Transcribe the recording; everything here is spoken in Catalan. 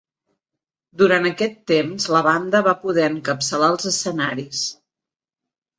Durant aquest temps, la banda va poder encapçalar els escenaris.